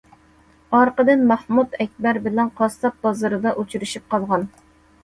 ئارقىدىن مەخمۇت ئەكبەر بىلەن قاسساپ بازىرىدا ئۇچرىشىپ قالغان.